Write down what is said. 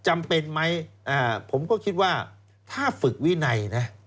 จำเป็นไหมผมก็คิดว่าถ้าฝึกวินัยนะ